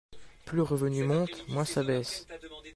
Plus le revenu monte, moins ça baisse